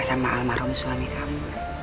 sama almarhum suami kamu